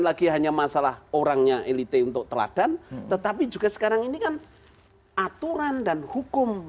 lagi hanya masalah orangnya elite untuk teladan tetapi juga sekarang ini kan aturan dan hukum